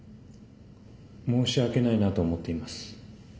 申し訳ないなと思っています。